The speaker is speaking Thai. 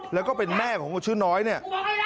แล้วก็เป็นแม่ของคนชื่อน้อยเนี่ย